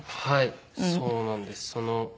はいそうなんです。